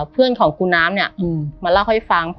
เพื่อนของกูน้ำเนี่ยมาเล่าให้ฟัง